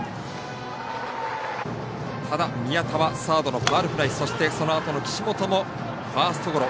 ただ、宮田はサードのファウルフライそして、そのあとの岸本もファーストゴロ。